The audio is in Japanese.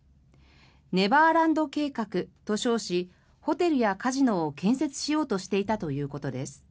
ネバーランド計画と称しホテルやカジノを建設しようとしていたということです。